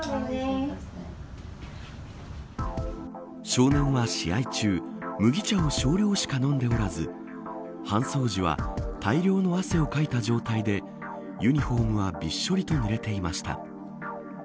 少年は試合中麦茶を少量しか飲んでおらず搬送中は大量の汗をかいた状態でユニホームはびっしょりと濡れていました。